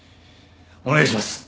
お願いします。